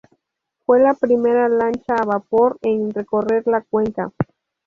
Fue la primera lancha a vapor en recorrer la cuenca.